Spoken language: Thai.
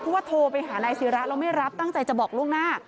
เพราะว่าโทรไปหานายศิระแล้วไม่รับตั้งใจจะบอกล่วงหน้า